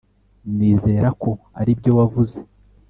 nizera ko aribyo wavuze